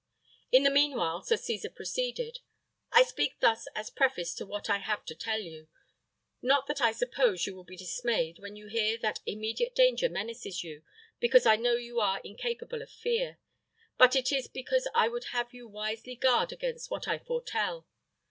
In the mean while, Sir Cesar proceeded: "I speak thus as preface to what I have to tell you; not that I suppose you will be dismayed when you hear that immediate danger menaces you, because I know you are incapable of fear; but it is because I would have you wisely guard against what I foretell.